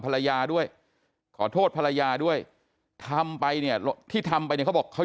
ภรรยาด้วยขอโทษภรรยาด้วยทำไปเนี่ยที่ทำไปเนี่ยเขาบอกเขา